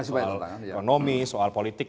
masih banyak soal ekonomi soal politik